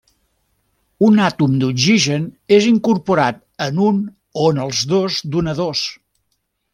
Un àtom d'oxigen és incorporat en un o en els dos donadors.